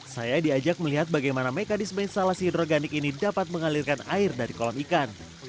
saya diajak melihat bagaimana mekanisme instalasi hidroganik ini dapat mengalirkan air dari kolam ikan